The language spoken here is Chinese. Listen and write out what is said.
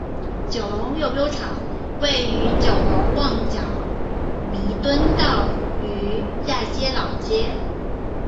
九龙溜冰场位于九龙旺角弥敦道与亚皆老街。